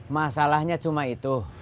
masalahnya cuma itu